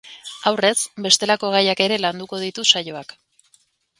Aurrez, bestelako gaiak ere landuko ditu saioak.